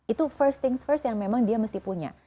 itu first things first yang memang dia mesti punya